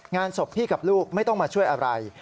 งานศพพี่กับลูกไม่ต้องมาช่วยอะไร